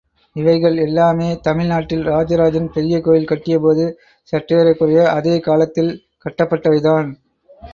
இவைகள் எல்லாமே தமிழ்நாட்டில் ராஜராஜன் பெரிய கோயில் கட்டிய போது, சற்றேறக்குறைய அதே காலத்தில் கட்டப்பட்டவைதான்.